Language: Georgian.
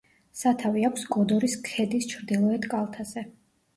სათავე აქვს კოდორის ქედის ჩრდილოეთ კალთზე.